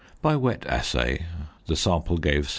By wet assay the sample gave 73.